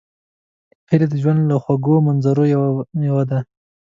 هیلۍ د ژوند له خوږو منظرو یوه ده